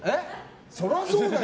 そりゃそうだよ！